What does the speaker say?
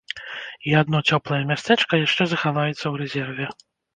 І адно цёплае мястэчка яшчэ захаваецца ў рэзерве.